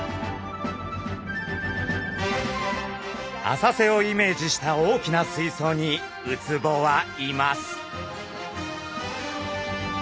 浅瀬をイメージした大きな水槽にウツボはいます。